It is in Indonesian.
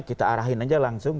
kita arahin aja langsung